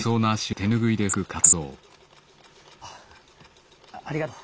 あっありがとう。